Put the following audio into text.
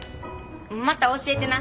また教えてな。